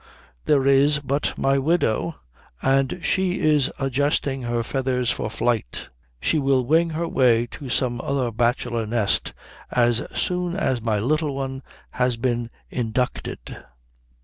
There is but my widow, and she is adjusting her feathers for flight. She will wing her way to some other bachelor nest as soon as my Little One has been inducted."